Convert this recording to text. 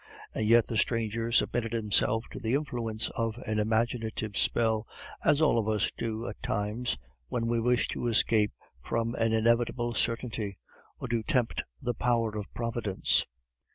And yet the stranger submitted himself to the influence of an imaginative spell, as all of us do at times, when we wish to escape from an inevitable certainty, or to tempt the power of Providence.